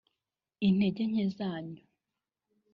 intege nke zanyu